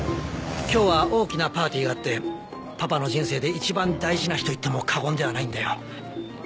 今日は大きなパーティーがあってパパの人生で一番大事な日といっても過言ではないんだよ。